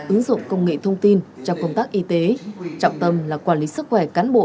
ứng dụng công nghệ thông tin trong công tác y tế trọng tâm là quản lý sức khỏe cán bộ